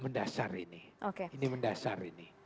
mendasar ini ini mendasar